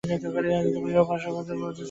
তারপর তিনি তিনশ পঞ্চাশ বছর বেঁচে ছিলেন।